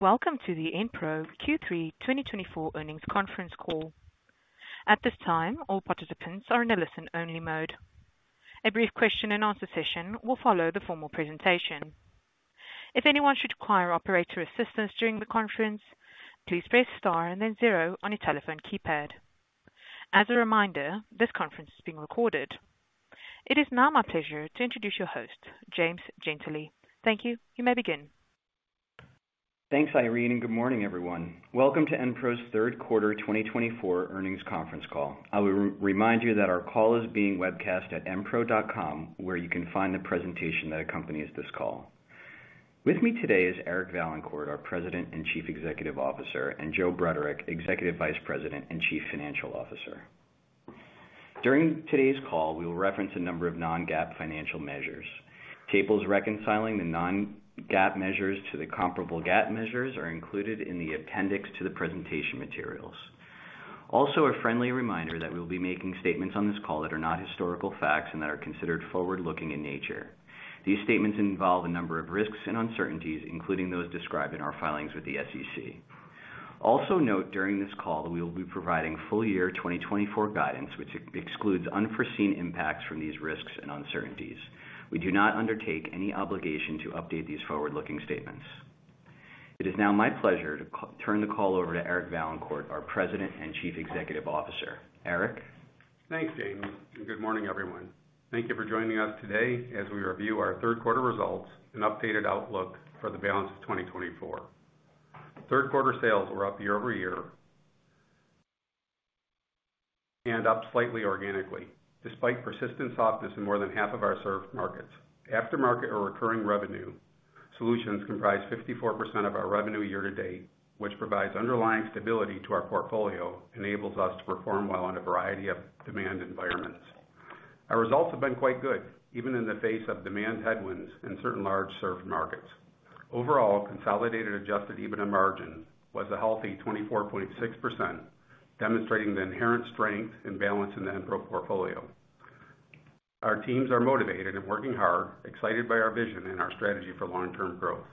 Welcome to the Enpro Q3 2024 Earnings Conference Call. At this time, all participants are in a listen-only mode. A brief question-and-answer session will follow the formal presentation. If anyone should require operator assistance during the conference, please press star and then zero on your telephone keypad. As a reminder, this conference is being recorded. It is now my pleasure to introduce your host, James Gentile. Thank you. You may begin. Thanks, Irene, and good morning, everyone. Welcome to Enpro's Third Quarter 2024 Earnings Conference Call. I will remind you that our call is being webcast at enpro.com, where you can find the presentation that accompanies this call. With me today is Eric Vaillancourt, our President and Chief Executive Officer, and Joe Bruderek, Executive Vice President and Chief Financial Officer. During today's call, we will reference a number of non-GAAP financial measures. Tables reconciling the non-GAAP measures to the comparable GAAP measures are included in the appendix to the presentation materials. Also, a friendly reminder that we will be making statements on this call that are not historical facts and that are considered forward-looking in nature. These statements involve a number of risks and uncertainties, including those described in our filings with the SEC. Also note, during this call, we will be providing full-year 2024 guidance, which excludes unforeseen impacts from these risks and uncertainties. We do not undertake any obligation to update these forward-looking statements. It is now my pleasure to turn the call over to Eric Vaillancourt, our President and Chief Executive Officer. Eric? Thanks, James, and good morning, everyone. Thank you for joining us today as we review our third quarter results and updated outlook for the balance of 2024. Third quarter sales were up year-over-year and up slightly organically, despite persistent softness in more than half of our surface markets. Aftermarket or recurring revenue solutions comprise 54% of our revenue year to date, which provides underlying stability to our portfolio and enables us to perform well in a variety of demand environments. Our results have been quite good, even in the face of demand headwinds in certain large surface markets. Overall, consolidated adjusted EBITDA margin was a healthy 24.6%, demonstrating the inherent strength and balance in the Enpro portfolio. Our teams are motivated and working hard, excited by our vision and our strategy for long-term growth.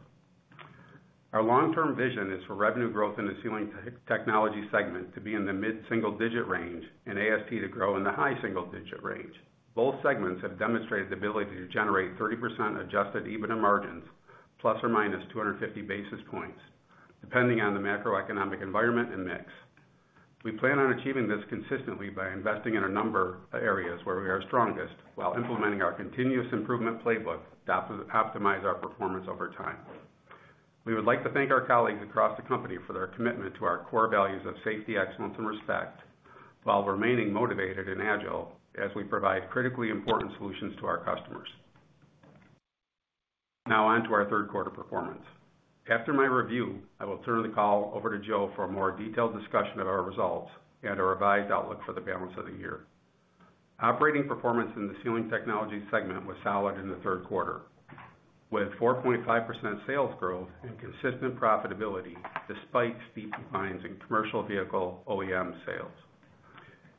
Our long-term vision is for revenue growth in the Sealing Technologies segment to be in the mid-single digit range and AST to grow in the high single digit range. Both segments have demonstrated the ability to generate 30% adjusted EBITDA margins, plus or minus 250 basis points, depending on the macroeconomic environment and mix. We plan on achieving this consistently by investing in a number of areas where we are strongest while implementing our continuous improvement playbook to optimize our performance over time. We would like to thank our colleagues across the company for their commitment to our core values of safety, excellence, and respect, while remaining motivated and agile as we provide critically important solutions to our customers. Now on to our third quarter performance. After my review, I will turn the call over to Joe for a more detailed discussion of our results and our revised outlook for the balance of the year. Operating performance in the Sealing Technologies segment was solid in the third quarter, with 4.5% sales growth and consistent profitability despite steep declines in commercial vehicle OEM sales.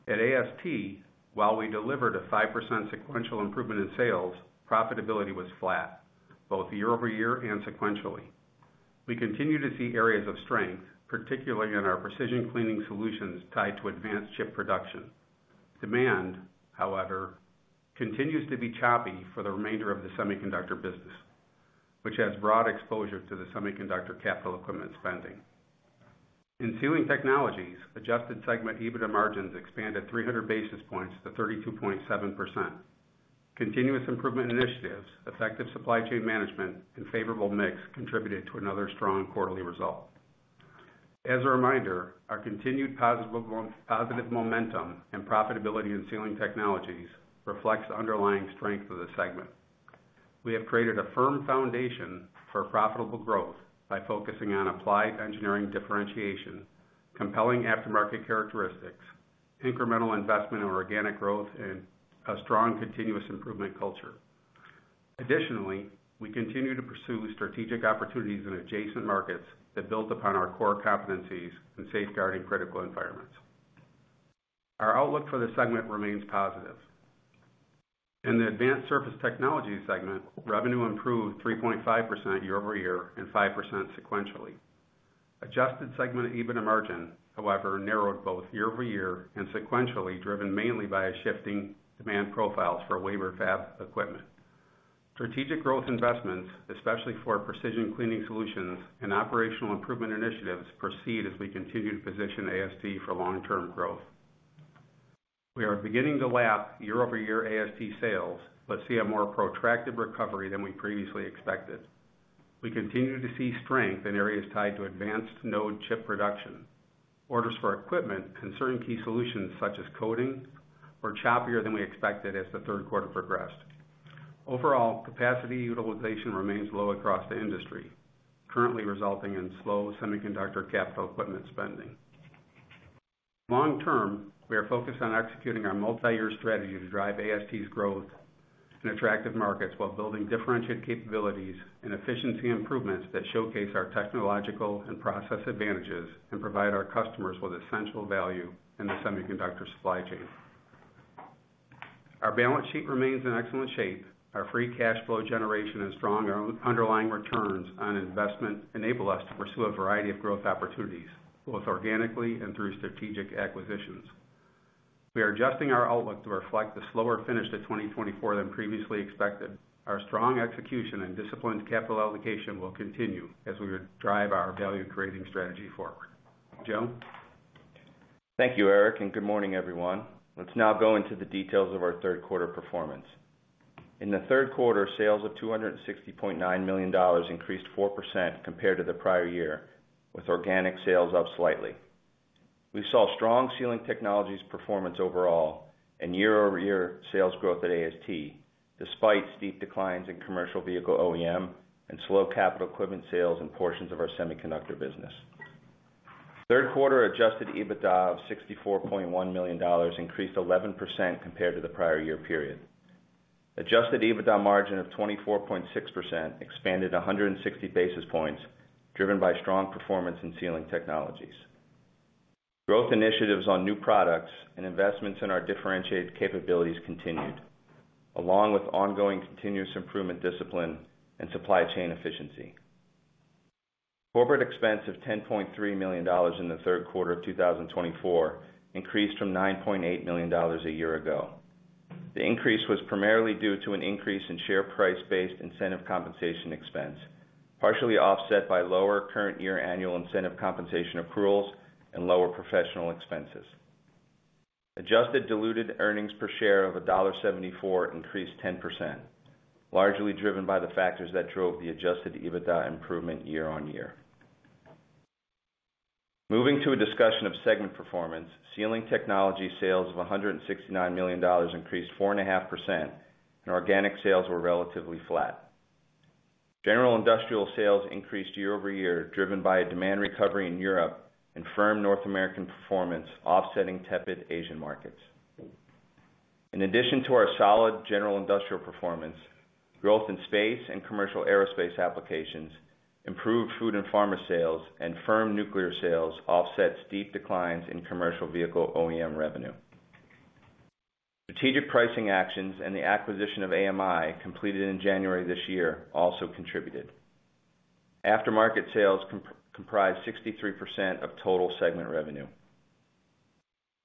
At AST, while we delivered a 5% sequential improvement in sales, profitability was flat, both year over year and sequentially. We continue to see areas of strength, particularly in our precision cleaning solutions tied to advanced chip production. Demand, however, continues to be choppy for the remainder of the Semiconductor business, which has broad exposure to the semiconductor capital equipment spending. In Sealing Technologies, adjusted segment EBITDA margins expanded 300 basis points to 32.7%. Continuous improvement initiatives, effective supply chain management, and favorable mix contributed to another strong quarterly result. As a reminder, our continued positive momentum and profitability in Sealing Technologies reflects the underlying strength of the segment. We have created a firm foundation for profitable growth by focusing on applied engineering differentiation, compelling aftermarket characteristics, incremental investment in organic growth, and a strong continuous improvement culture. Additionally, we continue to pursue strategic opportunities in adjacent markets that build upon our core competencies in safeguarding critical environments. Our outlook for the segment remains positive. In the Advanced Surface Technologies segment, revenue improved 3.5% year-over-year and 5% sequentially. Adjusted segment EBITDA margin, however, narrowed both year-over-year and sequentially, driven mainly by shifting demand profiles for wafer fab equipment. Strategic growth investments, especially for precision cleaning solutions and operational improvement initiatives, proceed as we continue to position AST for long-term growth. We are beginning to lap year-over-year AST sales but see a more protracted recovery than we previously expected. We continue to see strength in areas tied to advanced node chip production. Orders for equipment and certain key solutions, such as coating, were choppier than we expected as the third quarter progressed. Overall, capacity utilization remains low across the industry, currently resulting in slow semiconductor capital equipment spending. Long-term, we are focused on executing our multi-year strategy to drive AST's growth in attractive markets while building differentiated capabilities and efficiency improvements that showcase our technological and process advantages and provide our customers with essential value in the semiconductor supply chain. Our balance sheet remains in excellent shape. Our Free Cash Flow generation and strong underlying returns on investment enable us to pursue a variety of growth opportunities, both organically and through strategic acquisitions. We are adjusting our outlook to reflect a slower finish to 2024 than previously expected. Our strong execution and disciplined capital allocation will continue as we drive our value-creating strategy forward. Joe? Thank you, Eric, and good morning, everyone. Let's now go into the details of our third quarter performance. In the third quarter, sales of $260.9 million increased 4% compared to the prior year, with organic sales up slightly. We saw strong Sealing Technologies performance overall and year-over-year sales growth at AST, despite steep declines in commercial vehicle OEM and slow capital equipment sales in portions of our Semiconductor business. Third quarter Adjusted EBITDA of $64.1 million increased 11% compared to the prior year period. Adjusted EBITDA margin of 24.6% expanded 160 basis points, driven by strong performance in Sealing Technologies. Growth initiatives on new products and investments in our differentiated capabilities continued, along with ongoing continuous improvement discipline and supply chain efficiency. Corporate expense of $10.3 million in the third quarter of 2024 increased from $9.8 million a year ago. The increase was primarily due to an increase in share price-based incentive compensation expense, partially offset by lower current-year annual incentive compensation accruals and lower professional expenses. Adjusted diluted earnings per share of $1.74 increased 10%, largely driven by the factors that drove the Adjusted EBITDA improvement year on year. Moving to a discussion of segment performance, Sealing Technologies sales of $169 million increased 4.5%, and organic sales were relatively flat. General industrial sales increased year-over-year, driven by a demand recovery in Europe and firm North American performance offsetting tepid Asian markets. In addition to our solid general industrial performance, growth in space and commercial aerospace applications, improved food and pharma sales, and firm nuclear sales offset steep declines in commercial vehicle OEM revenue. Strategic pricing actions and the acquisition of AMI, completed in January this year, also contributed. Aftermarket sales comprised 63% of total segment revenue.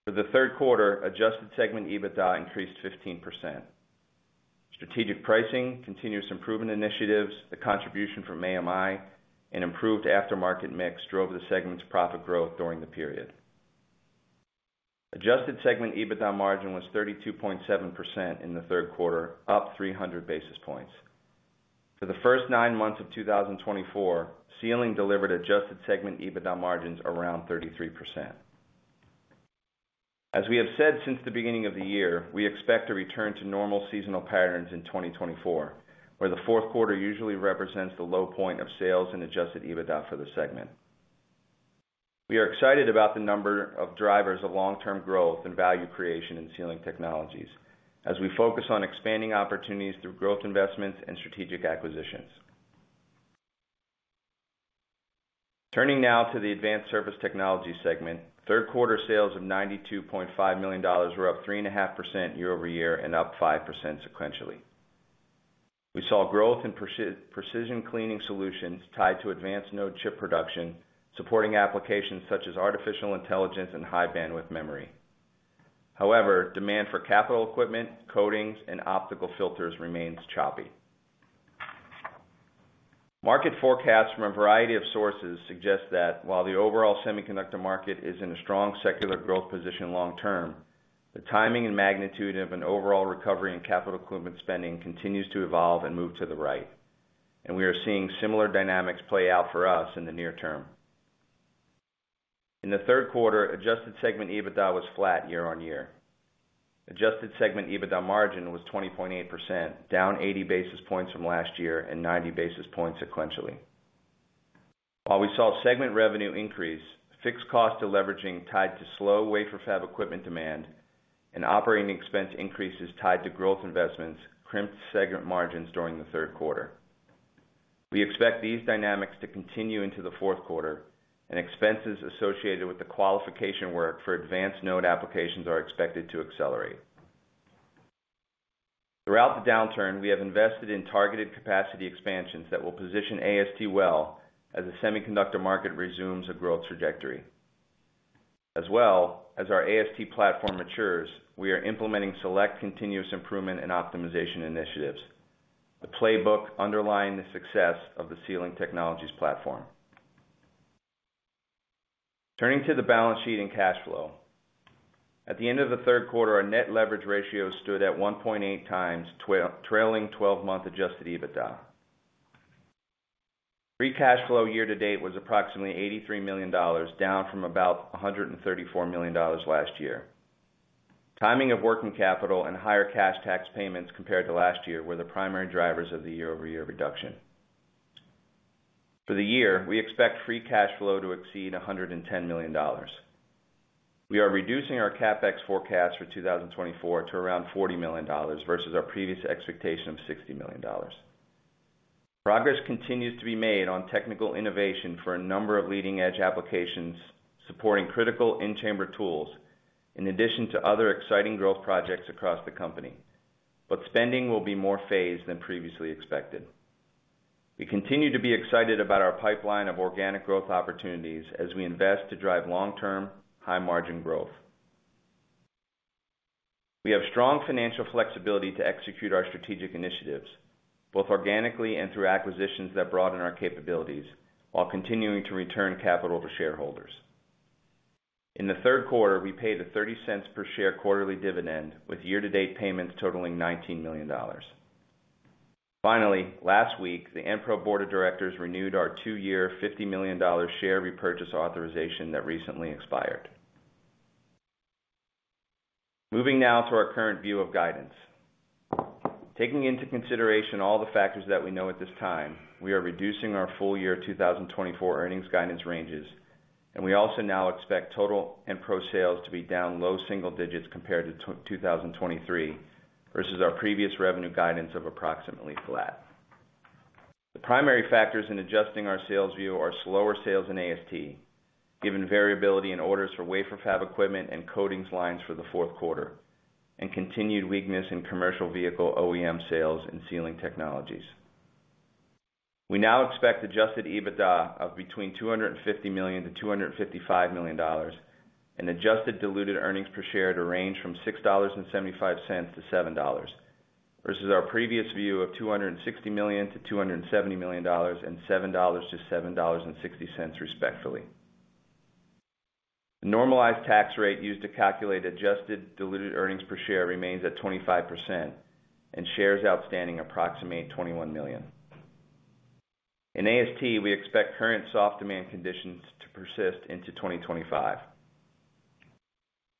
For the third quarter, adjusted segment EBITDA increased 15%. Strategic pricing, continuous improvement initiatives, the contribution from AMI, and improved aftermarket mix drove the segment's profit growth during the period. Adjusted segment EBITDA margin was 32.7% in the third quarter, up 300 basis points. For the first nine months of 2024, Sealing delivered adjusted segment EBITDA margins around 33%. As we have said since the beginning of the year, we expect a return to normal seasonal patterns in 2024, where the fourth quarter usually represents the low point of sales and adjusted EBITDA for the segment. We are excited about the number of drivers of long-term growth and value creation in Sealing Technologies, as we focus on expanding opportunities through growth investments and strategic acquisitions. Turning now to the Advanced Surface Technologies segment, third quarter sales of $92.5 million were up 3.5% year-over-year and up 5% sequentially. We saw growth in precision cleaning solutions tied to advanced node chip production, supporting applications such as artificial intelligence and high bandwidth memory. However, demand for capital equipment, coatings, and optical filters remains choppy. Market forecasts from a variety of sources suggest that while the overall semiconductor market is in a strong secular growth position long-term, the timing and magnitude of an overall recovery in capital equipment spending continues to evolve and move to the right, and we are seeing similar dynamics play out for us in the near term. In the third quarter, adjusted segment EBITDA was flat year-on-year. Adjusted segment EBITDA margin was 20.8%, down 80 basis points from last year and 90 basis points sequentially. While we saw segment revenue increase, fixed cost of leveraging tied to slow wafer fab equipment demand and operating expense increases tied to growth investments crimped segment margins during the third quarter. We expect these dynamics to continue into the fourth quarter, and expenses associated with the qualification work for advanced node applications are expected to accelerate. Throughout the downturn, we have invested in targeted capacity expansions that will position AST well as the semiconductor market resumes a growth trajectory. As well as our AST platform matures, we are implementing select continuous improvement and optimization initiatives, the playbook underlying the success of the Sealing Technologies platform. Turning to the balance sheet and cash flow. At the end of the third quarter, our Net Leverage Ratio stood at 1.8x trailing 12-month Adjusted EBITDA. Free Cash Flow year-to-date was approximately $83 million, down from about $134 million last year. Timing of working capital and higher cash tax payments compared to last year were the primary drivers of the year-over-year reduction. For the year, we expect free cash flow to exceed $110 million. We are reducing our CapEx forecast for 2024 to around $40 million versus our previous expectation of $60 million. Progress continues to be made on technical innovation for a number of leading-edge applications supporting critical in-chamber tools, in addition to other exciting growth projects across the company, but spending will be more phased than previously expected. We continue to be excited about our pipeline of organic growth opportunities as we invest to drive long-term, high-margin growth. We have strong financial flexibility to execute our strategic initiatives, both organically and through acquisitions that broaden our capabilities, while continuing to return capital to shareholders. In the third quarter, we paid a $0.30 per share quarterly dividend, with year-to-date payments totaling $19 million. Finally, last week, the Enpro Board of Directors renewed our two-year $50 million share repurchase authorization that recently expired. Moving now to our current view of guidance. Taking into consideration all the factors that we know at this time, we are reducing our full-year 2024 earnings guidance ranges, and we also now expect total Enpro sales to be down low single digits compared to 2023 versus our previous revenue guidance of approximately flat. The primary factors in adjusting our sales view are slower sales in AST, given variability in orders for wafer fab equipment and coatings lines for the fourth quarter, and continued weakness in commercial vehicle OEM sales in Sealing Technologies. We now expect Adjusted EBITDA of between $250 million-$255 million and adjusted diluted earnings per share to range from $6.75-$7.00 versus our previous view of $260 million-$270 million and $7.00-$7.60 respectively. The normalized tax rate used to calculate adjusted diluted earnings per share remains at 25%, and shares outstanding approximate 21 million. In AST, we expect current soft demand conditions to persist into 2025.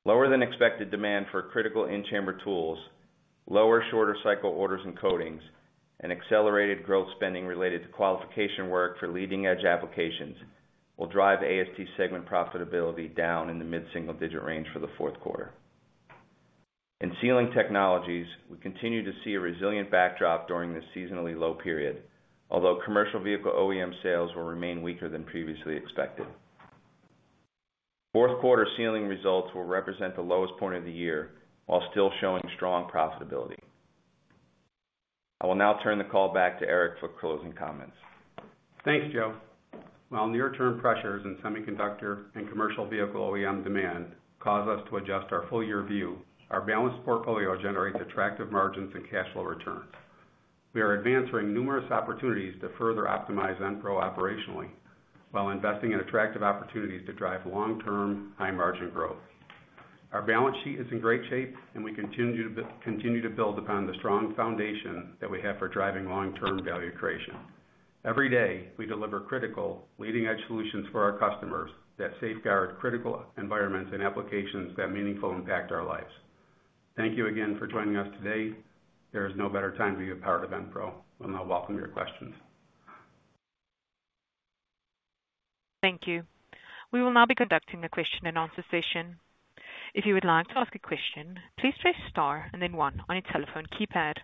Lower than expected demand for critical in-chamber tools, lower shorter-cycle orders and coatings, and accelerated growth spending related to qualification work for leading-edge applications will drive AST segment profitability down in the mid-single-digit range for the fourth quarter. In Sealing Technologies, we continue to see a resilient backdrop during this seasonally low period, although commercial vehicle OEM sales will remain weaker than previously expected. Fourth quarter sealing results will represent the lowest point of the year while still showing strong profitability. I will now turn the call back to Eric for closing comments. Thanks, Joe. While near-term pressures in semiconductor and commercial vehicle OEM demand cause us to adjust our full-year view, our balanced portfolio generates attractive margins and cash flow returns. We are advancing numerous opportunities to further optimize Enpro operationally while investing in attractive opportunities to drive long-term, high-margin growth. Our balance sheet is in great shape, and we continue to build upon the strong foundation that we have for driving long-term value creation. Every day, we deliver critical, leading-edge solutions for our customers that safeguard critical environments and applications that meaningfully impact our lives. Thank you again for joining us today. There is no better time to be a part of Enpro. We'll now welcome your questions. Thank you. We will now be conducting a question and answer session. If you would like to ask a question, please press star and then One on your telephone keypad.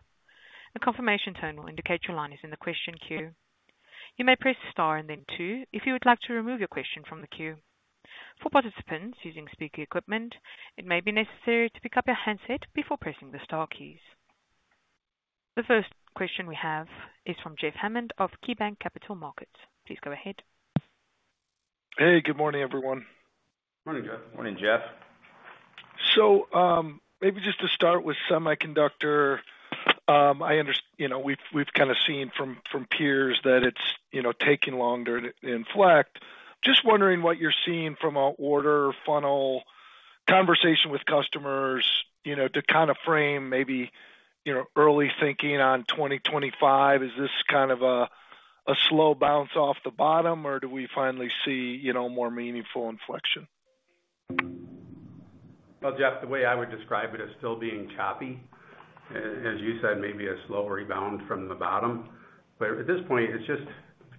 A confirmation tone will indicate your line is in the question queue. You may press star and then two if you would like to remove your question from the queue. For participants using speaker equipment, it may be necessary to pick up your handset before pressing the star keys. The first question we have is from Jeff Hammond of KeyBanc Capital Markets. Please go ahead. Hey, good morning, everyone. Morning, Joe. Morning, Jeff. So maybe just to start with semiconductor, I understand we've kind of seen from peers that it's taking longer to inflect. Just wondering what you're seeing from an order funnel conversation with customers to kind of frame maybe early thinking on 2025? Is this kind of a slow bounce off the bottom, or do we finally see more meaningful inflection? Well, Jeff, the way I would describe it is still being choppy. As you said, maybe a slow rebound from the bottom. But at this point,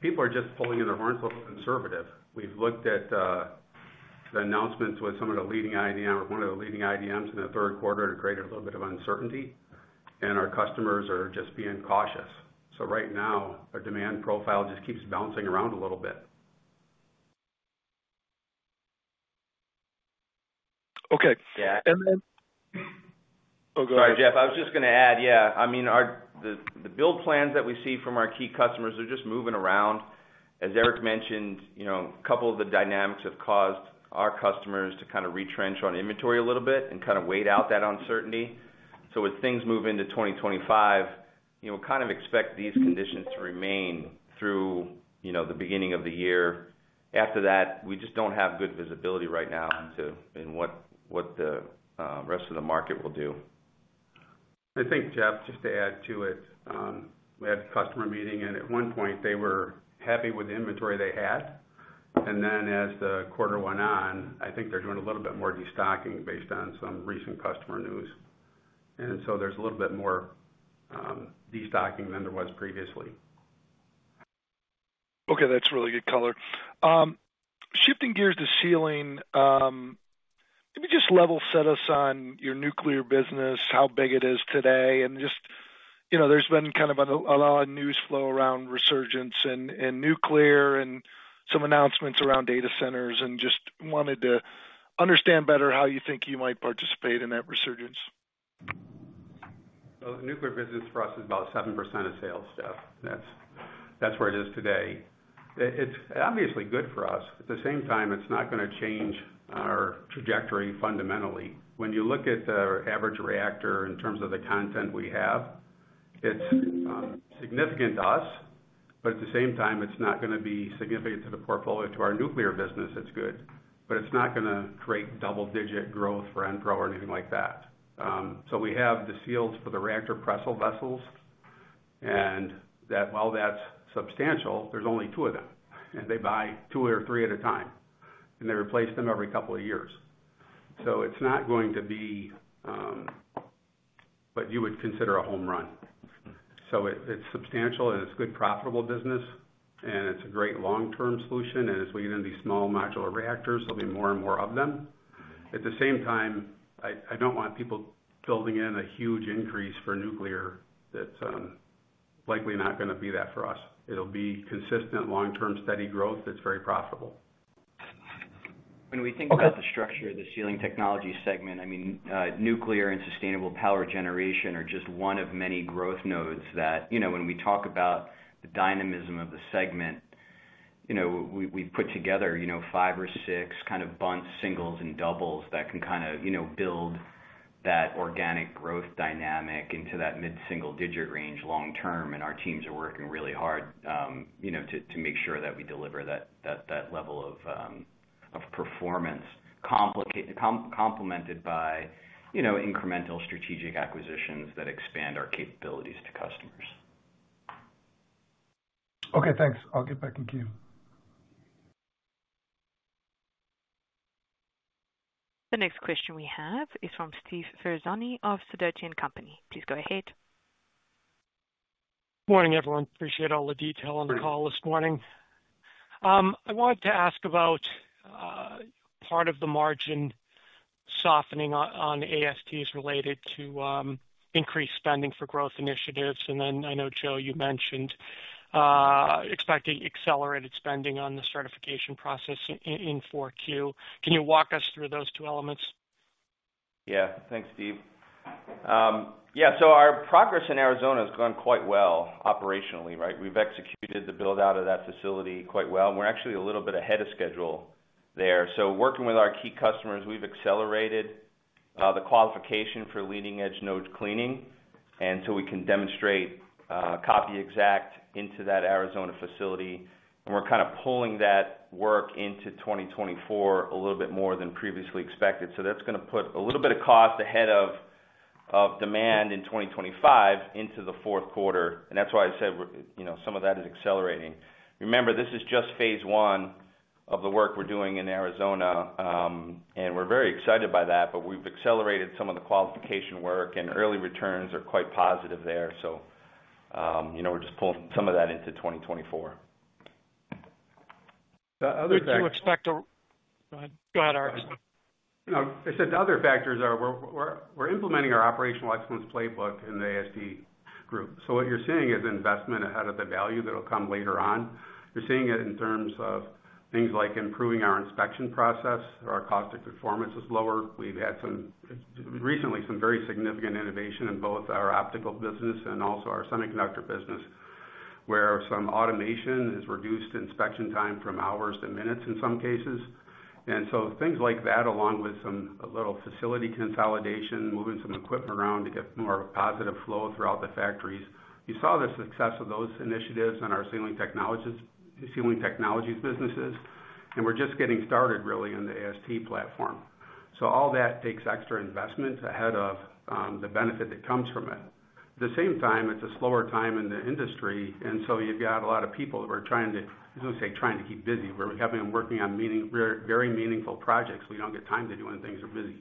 people are just pulling in their horns a little conservative. We've looked at the announcements with some of the leading IDMs, one of the leading IDMs in the third quarter that created a little bit of uncertainty, and our customers are just being cautious. So right now, our demand profile just keeps bouncing around a little bit. Okay. Yeah. And then. Oh, go ahead. Sorry, Jeff. I was just going to add, yeah. I mean, the build plans that we see from our key customers are just moving around. As Eric mentioned, a couple of the dynamics have caused our customers to kind of retrench on inventory a little bit and kind of wait out that uncertainty. So as things move into 2025, we kind of expect these conditions to remain through the beginning of the year. After that, we just don't have good visibility right now into what the rest of the market will do. I think, Jeff, just to add to it, we had a customer meeting, and at one point, they were happy with the inventory they had, and then as the quarter went on, I think they're doing a little bit more destocking based on some recent customer news, and so there's a little bit more destocking than there was previously. Okay, that's really good color. Shifting gears to sealing, maybe just level set us on your Nuclear business, how big it is today. And just there's been kind of a lot of news flow around resurgence in nuclear and some announcements around data centers, and just wanted to understand better how you think you might participate in that resurgence. The Nuclear business for us is about 7% of sales, Jeff. That's where it is today. It's obviously good for us. At the same time, it's not going to change our trajectory fundamentally. When you look at the average reactor in terms of the content we have, it's significant to us, but at the same time, it's not going to be significant to the portfolio to our Nuclear business. It's good, but it's not going to create double-digit growth for Enpro or anything like that. So we have the seals for the reactor pressure vessels, and while that's substantial, there's only two of them, and they buy two or three at a time, and they replace them every couple of years. So it's not going to be what you would consider a home run. So it's substantial, and it's a good profitable business, and it's a great long-term solution. As we get into these small modular reactors, there'll be more and more of them. At the same time, I don't want people building in a huge increase for nuclear. That's likely not going to be that for us. It'll be consistent, long-term, steady growth that's very profitable. When we think about the structure of the Sealing Technologies segment, I mean, nuclear and sustainable power generation are just one of many growth nodes that when we talk about the dynamism of the segment, we've put together five or six kind of bunts, singles, and doubles that can kind of build that organic growth dynamic into that mid-single-digit range long-term. Our teams are working really hard to make sure that we deliver that level of performance, complemented by incremental strategic acquisitions that expand our capabilities to customers. Okay, thanks. I'll get back in queue. The next question we have is from Steve Ferazani of Sidoti & Company. Please go ahead. Morning, everyone. Appreciate all the detail on the call this morning. I wanted to ask about part of the margin softening on AST's related to increased spending for growth initiatives. And then I know, Joe, you mentioned expecting accelerated spending on the certification process in 4Q. Can you walk us through those two elements? Yeah. Thanks, Steve. Yeah, so our progress in Arizona has gone quite well operationally, right? We've executed the build-out of that facility quite well. We're actually a little bit ahead of schedule there. So working with our key customers, we've accelerated the qualification for leading-edge node cleaning, and so we can demonstrate copy exact into that Arizona facility. And we're kind of pulling that work into 2024 a little bit more than previously expected. So that's going to put a little bit of cost ahead of demand in 2025 into the fourth quarter. And that's why I said some of that is accelerating. Remember, this is just phase one of the work we're doing in Arizona, and we're very excited by that, but we've accelerated some of the qualification work, and early returns are quite positive there. So we're just pulling some of that into 2024. Other than that. Do you expect to? Go ahead, Eric. I said the other factors are we're implementing our operational excellence playbook in the AST group. So what you're seeing is investment ahead of the value that will come later on. You're seeing it in terms of things like improving our inspection process or our cost of performance is lower. We've had recently some very significant innovation in both our Optical business and also our Semiconductor business, where some automation has reduced inspection time from hours to minutes in some cases. And so things like that, along with some little facility consolidation, moving some equipment around to get more of a positive flow throughout the factories. You saw the success of those initiatives in our Sealing Technologies businesses, and we're just getting started really in the AST platform. So all that takes extra investment ahead of the benefit that comes from it. At the same time, it's a slower time in the industry, and so you've got a lot of people that we're trying to, I was going to say, trying to keep busy. We're having them working on very meaningful projects. We don't get time to do when things are busy.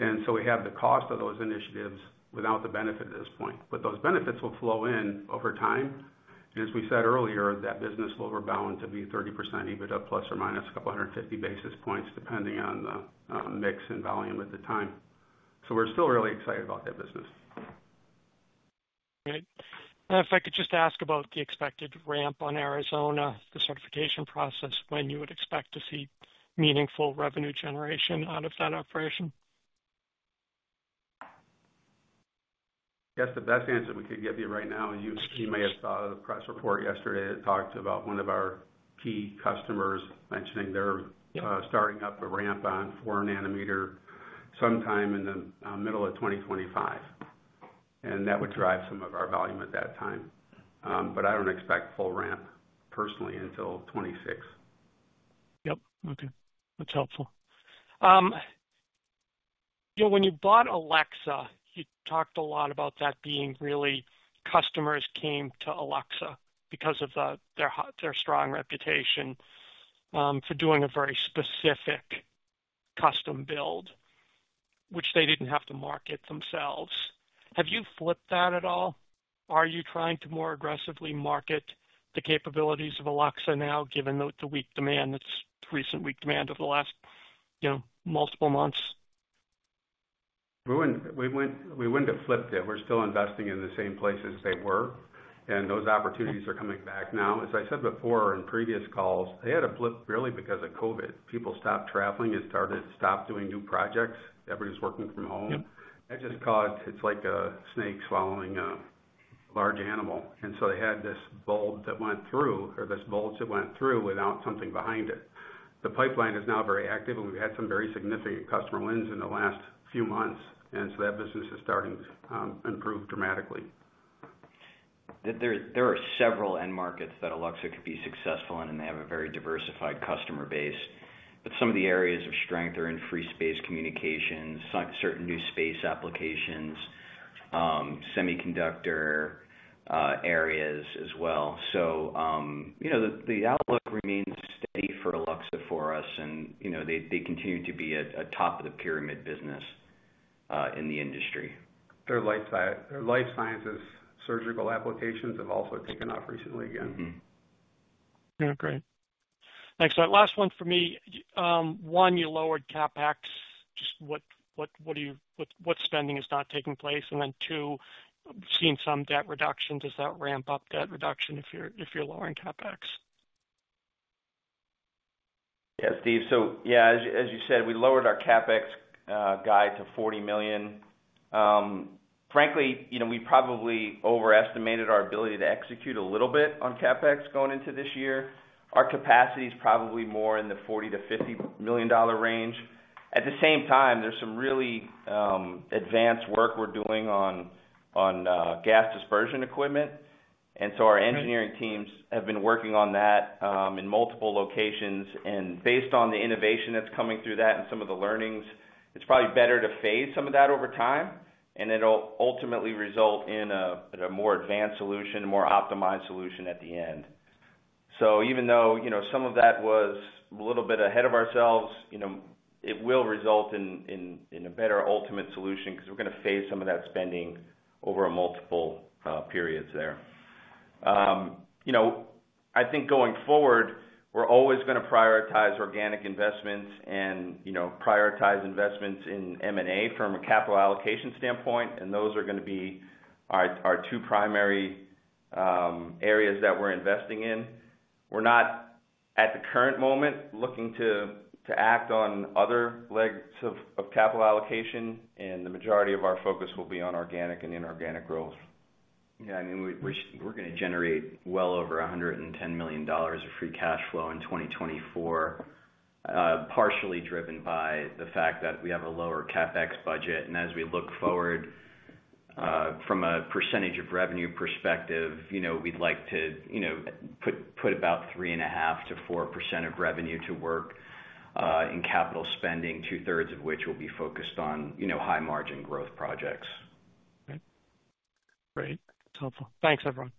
And so we have the cost of those initiatives without the benefit at this point. But those benefits will flow in over time. And as we said earlier, that business will rebound to be 30% EBITDA plus or minus a couple of 150 basis points, depending on the mix and volume at the time. So we're still really excited about that business. All right. If I could just ask about the expected ramp on Arizona, the certification process, when you would expect to see meaningful revenue generation out of that operation? I guess the best answer we could get you right now, you may have saw the press report yesterday that talked about one of our key customers mentioning they're starting up a ramp on 4nm sometime in the middle of 2025, and that would drive some of our volume at that time, but I don't expect full ramp personally until 2026. Yep. Okay. That's helpful. When you bought Alluxa, you talked a lot about that being really customers came to Alluxa because of their strong reputation for doing a very specific custom build, which they didn't have to market themselves. Have you flipped that at all? Are you trying to more aggressively market the capabilities of Alluxa now, given the recent weak demand of the last multiple months? We wouldn't have flipped it. We're still investing in the same places they were, and those opportunities are coming back now. As I said before in previous calls, they had a blip really because of COVID. People stopped traveling and started to stop doing new projects. Everybody was working from home. That just caused. It's like a snake swallowing a large animal. And so they had this bulb that went through, or this bulge that went through without something behind it. The pipeline is now very active, and we've had some very significant customer wins in the last few months. And so that business is starting to improve dramatically. There are several end markets that Alluxa could be successful in, and they have a very diversified customer base. But some of the areas of strength are in free space communications, certain new space applications, semiconductor areas as well. So the outlook remains steady for Alluxa for us, and they continue to be at the top of the pyramid business in the industry. Their life sciences surgical applications have also taken off recently again. Yeah. Great. Thanks. Last one for me. One, you lowered CapEx. Just what spending is not taking place? And then two, seeing some debt reductions, does that ramp up debt reduction if you're lowering CapEx? Yeah, Steve. So yeah, as you said, we lowered our CapEx guide to $40 million. Frankly, we probably overestimated our ability to execute a little bit on CapEx going into this year. Our capacity is probably more in the $40 million-$50 million range. At the same time, there's some really advanced work we're doing on gas dispersion equipment. And so our engineering teams have been working on that in multiple locations. And based on the innovation that's coming through that and some of the learnings, it's probably better to phase some of that over time, and it'll ultimately result in a more advanced solution, a more optimized solution at the end. So even though some of that was a little bit ahead of ourselves, it will result in a better ultimate solution because we're going to phase some of that spending over multiple periods there. I think going forward, we're always going to prioritize organic investments and prioritize investments in M&A from a capital allocation standpoint. And those are going to be our two primary areas that we're investing in. We're not, at the current moment, looking to act on other legs of capital allocation, and the majority of our focus will be on organic and inorganic growth. Yeah. I mean, we're going to generate well over $110 million of free cash flow in 2024, partially driven by the fact that we have a lower CapEx budget. And as we look forward from a percentage of revenue perspective, we'd like to put about 3.5%-4% of revenue to work in capital spending, two-thirds of which will be focused on high-margin growth projects. Great. That's helpful. Thanks, everyone.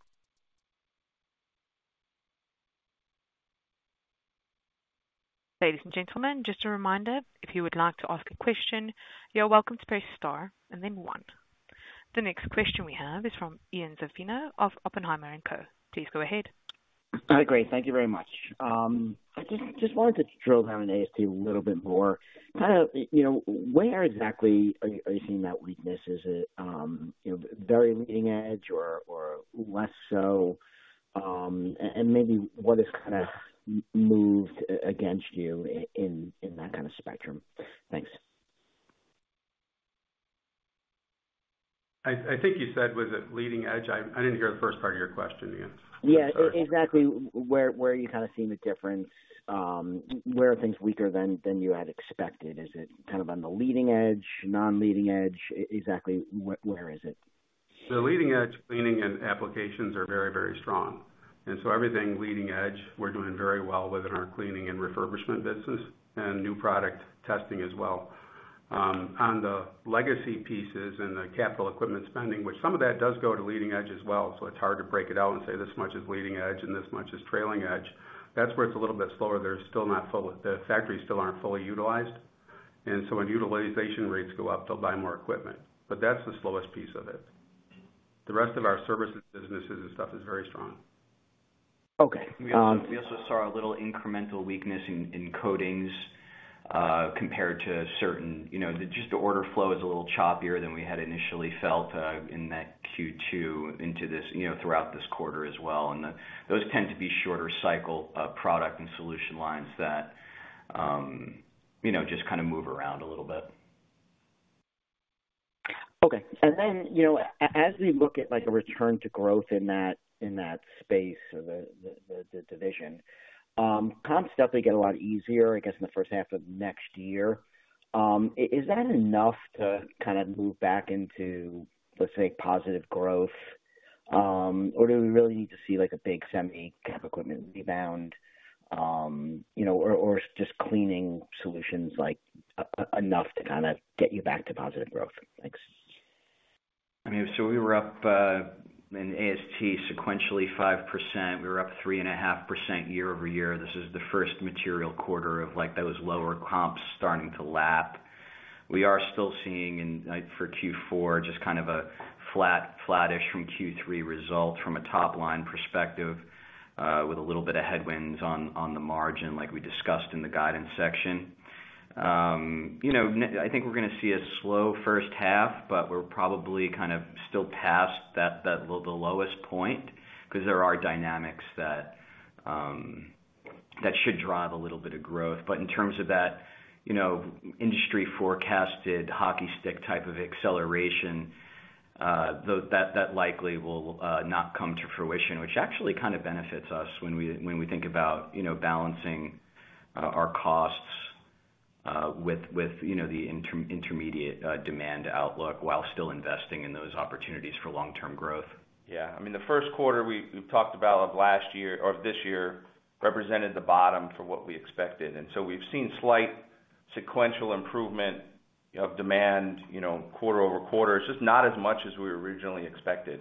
Ladies and gentlemen, just a reminder, if you would like to ask a question, you're welcome to press star and then one. The next question we have is from Ian Zaffino of Oppenheimer & Co. Please go ahead. Hi. Great. Thank you very much. I just wanted to drill down in AST a little bit more. Kind of where exactly are you seeing that weakness? Is it very leading edge or less so? And maybe what has kind of moved against you in that kind of spectrum? Thanks. I think you said, "Was it leading edge?" I didn't hear the first part of your question again. Yeah. Exactly where you're kind of seeing the difference, where are things weaker than you had expected? Is it kind of on the leading edge, non-leading edge? Exactly where is it? The leading edge cleaning and applications are very, very strong, and so everything leading edge, we're doing very well with in our cleaning and refurbishment business and new product testing as well. On the legacy pieces and the capital equipment spending, which some of that does go to leading edge as well, so it's hard to break it out and say, "This much is leading edge and this much is trailing edge." That's where it's a little bit slower. They're still not fully, the factories still aren't fully utilized, and so when utilization rates go up, they'll buy more equipment, but that's the slowest piece of it. The rest of our services businesses and stuff is very strong. Okay. We also saw a little incremental weakness in coatings compared to certain, just the order flow is a little choppier than we had initially felt in that Q2 into this throughout this quarter as well. And those tend to be shorter cycle product and solution lines that just kind of move around a little bit. Okay. And then as we look at a return to growth in that space or the division, comps definitely get a lot easier, I guess, in the first half of next year. Is that enough to kind of move back into, let's say, positive growth? Or do we really need to see a big semi-cap equipment rebound or just cleaning solutions enough to kind of get you back to positive growth? I mean, so we were up in AST sequentially 5%. We were up 3.5% year-over-year. This is the first material quarter of those lower comps starting to lap. We are still seeing for Q4 just kind of a flat-ish from Q3 result from a top-line perspective with a little bit of headwinds on the margin like we discussed in the guidance section. I think we're going to see a slow first half, but we're probably kind of still past the lowest point because there are dynamics that should drive a little bit of growth. But in terms of that industry forecasted hockey stick type of acceleration, that likely will not come to fruition, which actually kind of benefits us when we think about balancing our costs with the intermediate demand outlook while still investing in those opportunities for long-term growth. Yeah. I mean, the first quarter we've talked about of last year or this year represented the bottom for what we expected, and so we've seen slight sequential improvement of demand quarter over quarter, just not as much as we originally expected,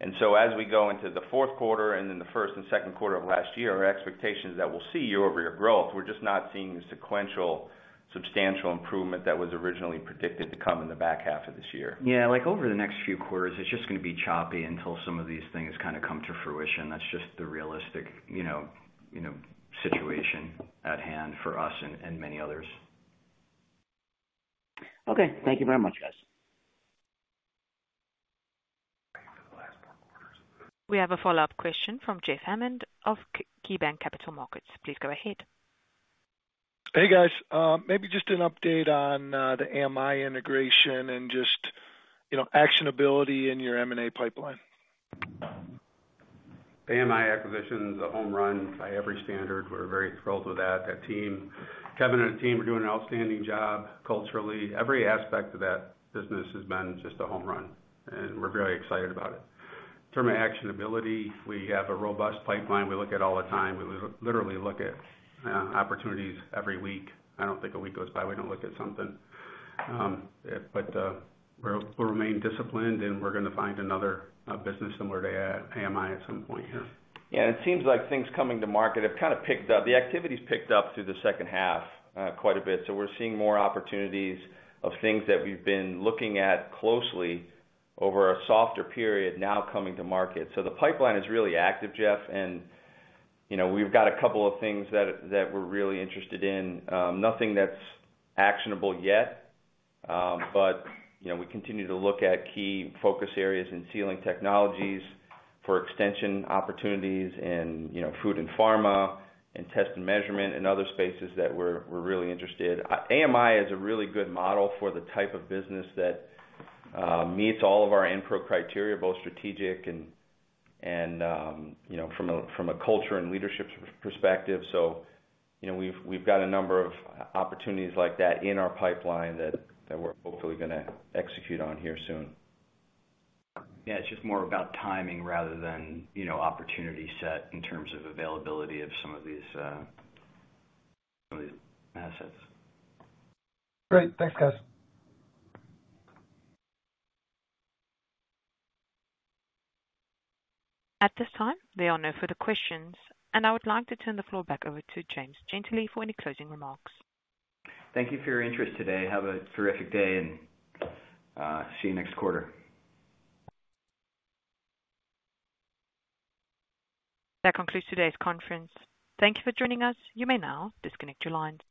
and so as we go into the fourth quarter and then the first and second quarter of last year, our expectations that we'll see year-over-year growth. We're just not seeing the sequential substantial improvement that was originally predicted to come in the back half of this year. Yeah. Over the next few quarters, it's just going to be choppy until some of these things kind of come to fruition. That's just the realistic situation at hand for us and many others. Okay. Thank you very much, guys. We have a follow-up question from Jeff Hammond of KeyBanc Capital Markets. Please go ahead. Hey, guys. Maybe just an update on the AMI integration and just actionability in your M&A pipeline. AMI acquisition is a home run by every standard. We're very thrilled with that. Kevin and the team are doing an outstanding job culturally. Every aspect of that business has been just a home run, and we're very excited about it. In terms of actionability, we have a robust pipeline we look at all the time. We literally look at opportunities every week. I don't think a week goes by we don't look at something. But we'll remain disciplined, and we're going to find another business similar to AMI at some point here. Yeah. And it seems like things coming to market have kind of picked up. The activity's picked up through the second half quite a bit. So we're seeing more opportunities of things that we've been looking at closely over a softer period now coming to market. So the pipeline is really active, Jeff, and we've got a couple of things that we're really interested in. Nothing that's actionable yet, but we continue to look at key focus areas in sealing technologies for extension opportunities in food and pharma and test and measurement and other spaces that we're really interested. AMI is a really good model for the type of business that meets all of our Enpro criteria, both strategic and from a culture and leadership perspective. So we've got a number of opportunities like that in our pipeline that we're hopefully going to execute on here soon. Yeah. It's just more about timing rather than opportunity set in terms of availability of some of these assets. Great. Thanks, guys. At this time, there are no further questions, and I would like to turn the floor back over to James Gentile for any closing remarks. Thank you for your interest today. Have a terrific day and see you next quarter. That concludes today's conference. Thank you for joining us. You may now disconnect your lines.